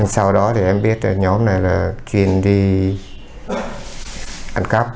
sau đó thì em biết nhóm này là chuyên đi ăn cắp